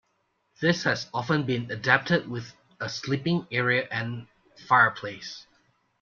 This has often been adapted with a sleeping area and fireplace.